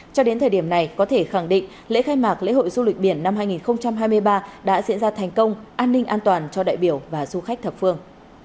cho đến thời điểm này có thể khẳng định lễ khai mạc lễ hội du lịch biển năm hai nghìn hai mươi ba đã diễn ra thành công an ninh an toàn cho đại biểu và du khách thập phương